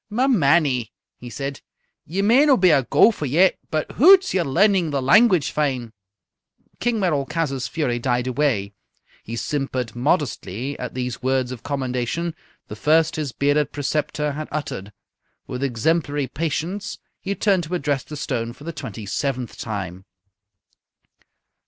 "Ma mannie," he said, "ye may no' be a gowfer yet, but hoots! ye're learning the language fine!" King Merolchazzar's fury died away. He simpered modestly at these words of commendation, the first his bearded preceptor had uttered. With exemplary patience he turned to address the stone for the twenty seventh time.